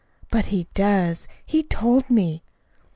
"But he does. He told me."